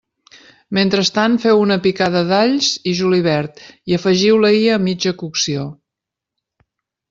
Mentrestant feu una picada d'alls i julivert i afegiu-la-hi a mitja cocció.